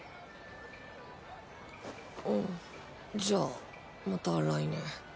じゃあまた来年。